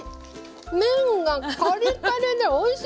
麺がカリカリでおいしい！